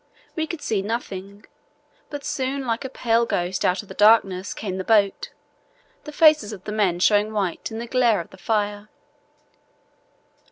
We could see nothing, but soon like a pale ghost out of the darkness came the boat, the faces of the men showing white in the glare of the fire.